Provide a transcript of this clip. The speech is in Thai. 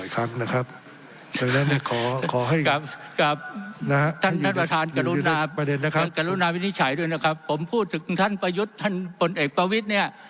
ท่านกรุณาวินิจฉัยด้วยนะครับผมพูดถึงท่านประยุทธ์ท่านผลเอกประวิทย์เนี่ย